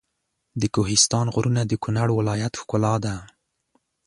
د کوهستان غرونه د کنړ ولایت ښکلا ده.